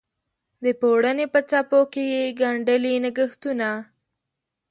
د پوړنې په څپو کې یې ګنډلي نګهتونه